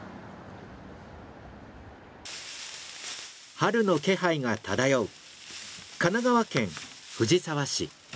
春の気配が漂う神奈川県藤沢市。